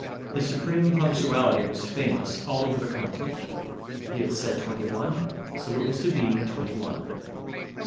His supreme punctuality was famous all over the continent. He had said Twenty One, so it was to be twenty one.